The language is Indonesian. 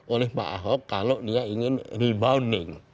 oleh pak ahok kalau dia ingin rebounding